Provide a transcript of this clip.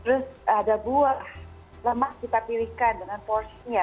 terus ada buah lemak kita pilihkan dengan porsinya